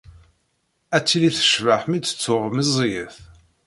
Ad tili tecbeḥ mi tt-tuɣ meẓẓiyet.